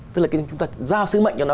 tức là chúng ta giao sứ mệnh cho nó